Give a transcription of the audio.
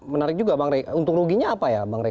menarik juga bang rey untung ruginya apa ya bang rey